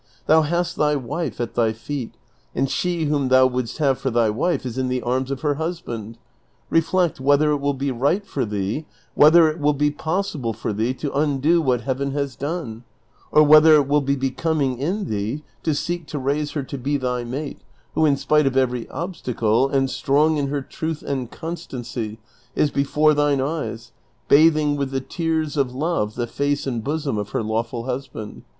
Thou hast thy wife at thy feet, and she whom thou wouldst have for thy wife is in the arms of her husband : reflect whether it will l)e right for thee, whether it Avill be pos sible for thee to undo what Heaven has done, or whether it will be becoming in thee to seek to raise her to be thy mate who in spite of every obstacle, and strong in her truth and constancy, is before thine eyes, bathing with the tears of love the face and bosom of her lawful husband.